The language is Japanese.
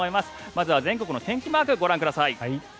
まずは全国の天気マークをご覧ください。